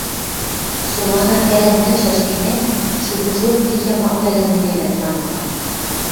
Солана хӓлӓ нӓлшӓш гӹнят, шукыжок ти ямаквлӓлӓн ӹнянӓт, манмыла.